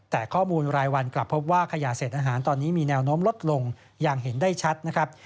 แต่ข้อมูลรายวันกลับพบว่าขยะเศษอาหารตอนนี้มีแนวโน้มลดลงอย่างเห็นได้ชัดนะครับ